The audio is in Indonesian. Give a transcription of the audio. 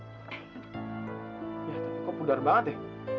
ya kok pudar banget ya